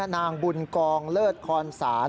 นางบุญกองเลิศคอนศาล